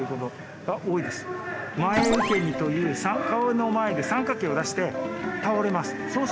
前受け身という顔の前で三角形を出して倒れます。